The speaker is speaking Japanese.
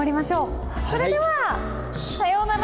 それではさようなら！